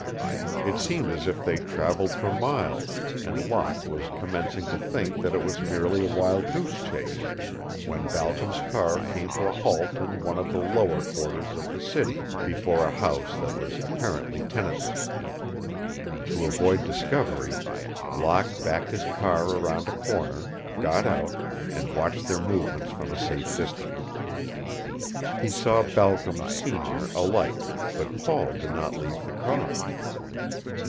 It seemed as if they traveled for miles, and Locke was commencing to think that it was merely a wild goose chase, when Balcom's car came to a halt in one of the lower quarters of the city, before a house that was apparently tenantless. To avoid discovery, Locke backed his car around a corner, got out, and watched their movements from a safe distance. He saw Balcom, senior, alight, but Paul did not leave the car.